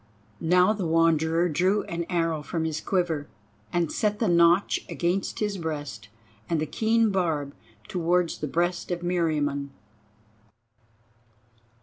Now the Wanderer drew an arrow from his quiver, and set the notch against his breast and the keen barb towards the breast of Meriamun.